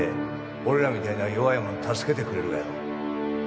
俺らみたいな弱いもん助けてくれるがやろ？